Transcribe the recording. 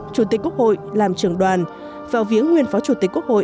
chủ tịch quốc hội làm trưởng đoàn vào viếng nguyên phó chủ tịch quốc hội